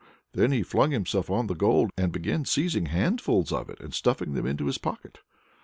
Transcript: then he flung himself on the gold, and began seizing handfuls of it and stuffing them into his pocket.